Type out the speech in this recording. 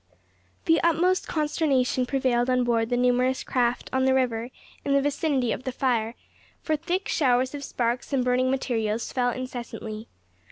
The utmost consternation prevailed on board the numerous craft on the river in the vicinity of the fire, for thick showers of sparks and burning materials fell incessantly.